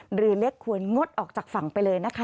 หรือเล็กควรงดออกจากฝั่งไปเลยนะคะ